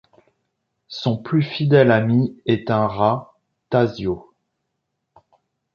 Son plus fidèle ami est un rat, Tazio.